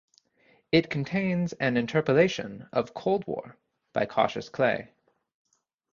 It contains an interpolation of "Cold War" by Cautious Clay.